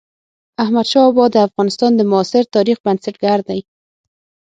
احمد شاه بابا د افغانستان د معاصر تاريخ بنسټ ګر دئ.